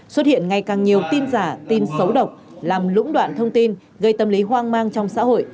xuất hiện ngày càng nhiều tin giả tin xấu độc làm lũng đoạn thông tin gây tâm lý hoang mang trong xã hội